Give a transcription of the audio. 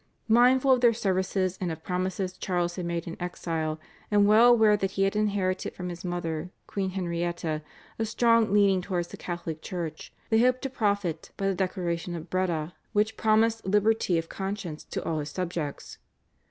Mindful of their services and of promises Charles had made in exile, and well aware that he had inherited from his mother, Queen Henrietta, a strong leaning towards the Catholic Church, they hoped to profit by the Declaration of Breda, which promised liberty of conscience to all his subjects.